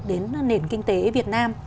đến nền kinh tế việt nam